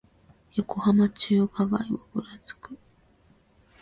横浜中華街をぶらつく